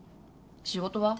仕事は？